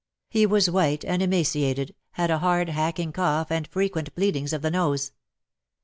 He was white and emaciated, had a hard hacking cough and frequent bleedings of the nose.